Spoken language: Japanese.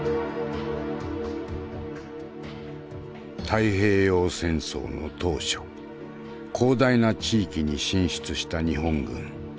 太平洋戦争の当初広大な地域に進出した日本軍。